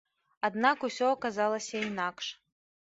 Аднак усё аказалася інакш.